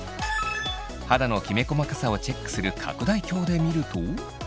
肌のきめ細かさをチェックする拡大鏡で見ると。